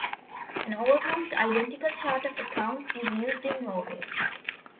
An almost identical chart of accounts is used in Norway.